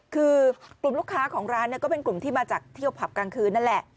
คือกลุ่มลูกค้าของร้านก็เป็นกลุ่มที่มาจากเที่ยวผับกลางคืนนั่นแหละ